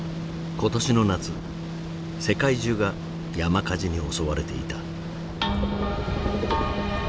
今年の夏世界中が山火事に襲われていた。